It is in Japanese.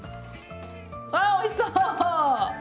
わおいしそう！